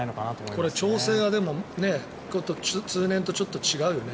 これ、調整が通年とちょっと違うよね。